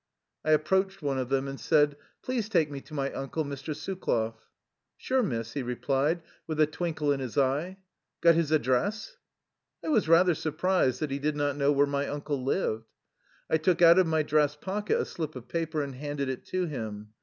I approached one of them and said: " Please take me to my uncle, Mr. Sukloff.'^ " Sure, Miss," he replied, with a twinkle in his eye. " Got his address? " I was rather surprised that he did not know where my uncle lived. I took out of my dress pocket a slip of paper and handed it to him.